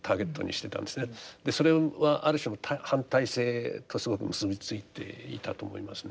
それはある種反体制とすごく結び付いていたと思いますね。